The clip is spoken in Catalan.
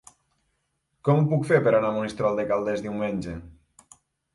Com ho puc fer per anar a Monistrol de Calders diumenge?